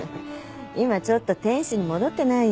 今ちょっと天使に戻ってない？